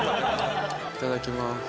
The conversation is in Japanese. いただきます。